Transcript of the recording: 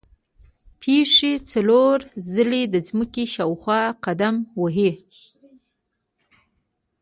پښې څلور ځلې د ځمکې شاوخوا قدم وهي.